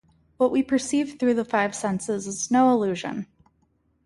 What we perceive through the five senses is no illusion.